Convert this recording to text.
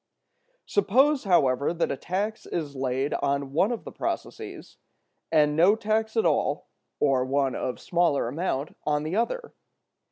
Suppose, however, that a tax is laid on one of the processes, and no tax at all, or one of smaller amount, on the other.